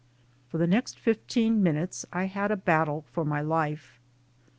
For the next fifteen minutes I had a battle for life.